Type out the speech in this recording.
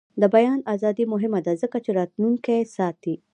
د بیان ازادي مهمه ده ځکه چې راتلونکی ساتي.